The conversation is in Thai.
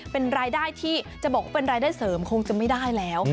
เป็นรายได้ที่จะบอกว่าเป็นรายได้เสริมคงจะไม่ได้แล้ว